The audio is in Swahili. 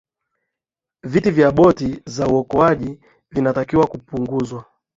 viti vya boti za uokoaji vilitakiwa kupunguzwa